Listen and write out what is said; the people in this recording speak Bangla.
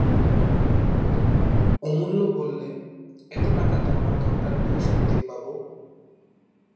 অমূল্য বললে, এত টাকা তো আমাদের দরকার নেই সন্দীপবাবু।